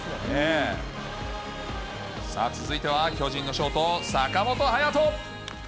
続いては巨人のショート、坂本勇人。